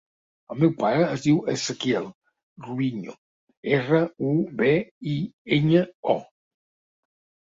El meu pare es diu Ezequiel Rubiño: erra, u, be, i, enya, o.